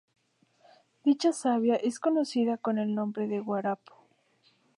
Dicha savia es conocida con el nombre de guarapo.